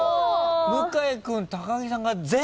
向井君木さんが０。